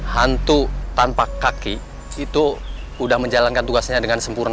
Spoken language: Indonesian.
hantu tanpa kaki itu sudah menjalankan tugasnya dengan sempurna